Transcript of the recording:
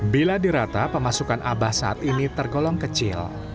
bila dirata pemasukan abah saat ini tergolong kecil